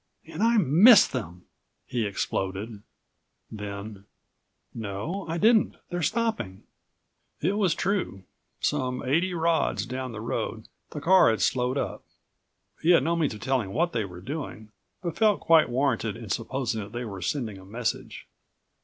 "And I missed them!" he exploded, then: "No, I didn't. They're stopping." It was true. Some eighty rods down the road the car had slowed up. He had no means of telling what they were doing but felt quite warranted in supposing they were sending a message.